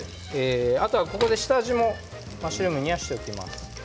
あとはここで下味をマッシュルームにしておきます。